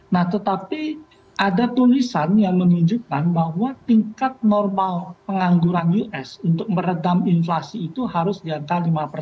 nah tetapi ada tulisan yang menunjukkan bahwa tingkat normal pengangguran us untuk meredam inflasi itu harus di angka lima persen